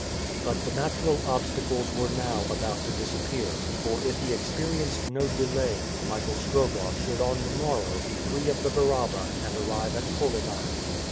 But the natural obstacles were now about to disappear, for, if he experienced no delay, Michael Strogoff should on the morrow be free of the Baraba and arrive at Kolyvan.